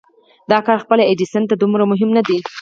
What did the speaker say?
دا کار خپله ايډېسن ته دومره مهم نه و.